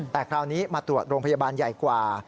แต่คราวนี้มาตรวจโรงพยาบาลใหญ่กว่า